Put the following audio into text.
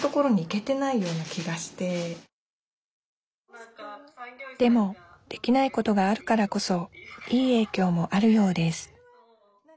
なやみを打ち明けましたでもできないことがあるからこそいい影響もあるようです何？